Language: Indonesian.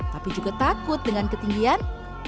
tapi juga takut dengan ketinggian